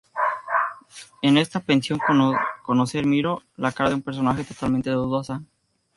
En esta pensión, conocer Miro, la cara de un personaje totalmente dudosa.